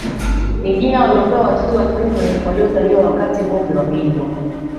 Ni jina walilopewa watoto wa kiume waliozaliwa wakati ngombe wameibwa